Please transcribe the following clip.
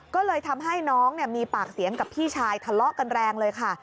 ก็เลยทำให้น้องมีปากเสียงกับพี่ชายทะเลาะกันแรงเลยค่ะ